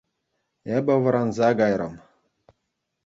Эпӗ вӑранса кайрӑм.